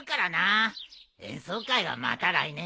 演奏会はまた来年だな。